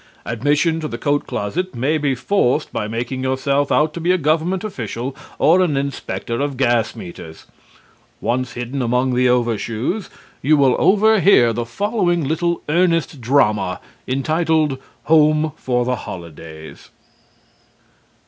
Admission to the coat closet may be forced by making yourself out to be a government official or an inspector of gas meters. Once hidden among the overshoes, you will overhear the following little earnest drama, entitled "Home for the Holidays."